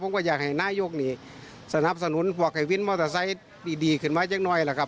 ผมก็อยากให้นายกนี่สนับสนุนพวกไอ้วินมอเตอร์ไซค์ดีขึ้นมาอย่างน้อยล่ะครับ